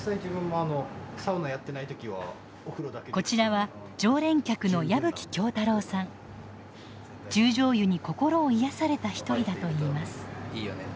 こちらは十條湯に心を癒やされた一人だといいます。